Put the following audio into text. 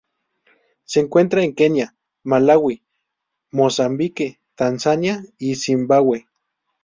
Se encuentra en Kenia, Malaui, Mozambique, Tanzania y Zimbabwe.